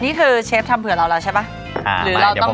เชฟทำเผื่อเราแล้วใช่ป่ะ